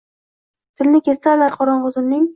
Tilini kesarlar… qorong’i tunning